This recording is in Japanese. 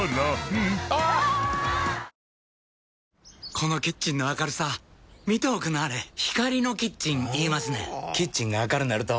このキッチンの明るさ見ておくんなはれ光のキッチン言いますねんほぉキッチンが明るなると・・・